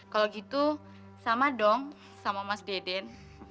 kalau gitu sama dong sama mas deden